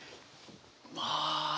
まあ。